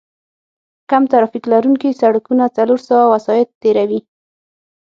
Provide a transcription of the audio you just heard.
کم ترافیک لرونکي سړکونه څلور سوه وسایط تېروي